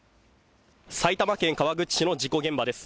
埼玉県川口市の事故現場です。